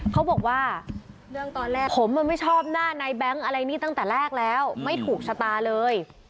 เขาบอกว่าผมไม่ชอบหน้านายแบงค์อะไรนี่ตั้งแต่แรกแล้วไม่ถูกชะตาเลย